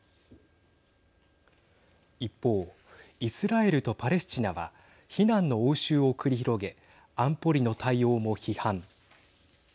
一方、イスラエルとパレスチナは非難の応酬を繰り広げ安保理の対応も批判。